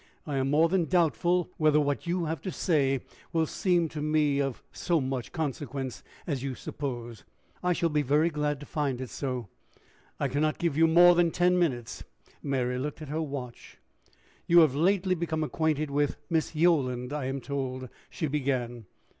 I am more than doubtful whether what you have to say will seem to me of so much consequence as you suppose." "I shall be very glad to find it so." "I can not give you more than ten minutes." Mary looked at her watch. "You have lately become acquainted with Miss Yolland, I am told," she began.